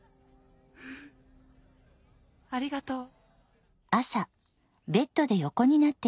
フッありがとう。